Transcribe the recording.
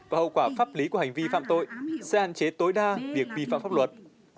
và hậu quả pháp lý của hành vi phạm tội sẽ hạn chế tối đa việc vi phạm pháp luật